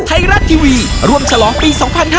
ไทยรัฐทีวีร่วมฉลองปี๒๕๕๙